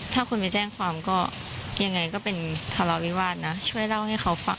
ถ้าคนไปแจ้งความก็ยังไงก็เป็นทะเลาวิวาสนะช่วยเล่าให้เขาฟัง